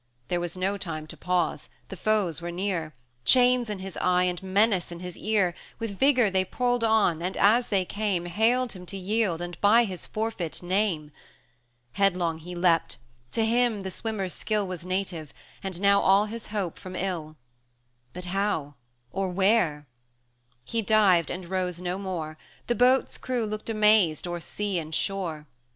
60 There was no time to pause the foes were near Chains in his eye, and menace in his ear; With vigour they pulled on, and as they came, Hailed him to yield, and by his forfeit name. Headlong he leapt to him the swimmer's skill Was native, and now all his hope from ill: But how, or where? He dived, and rose no more; The boat's crew looked amazed o'er sea and shore.